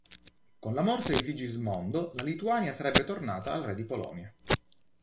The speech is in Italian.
Con la morte di Sigismondo, la Lituania sarebbe tornata al re di Polonia.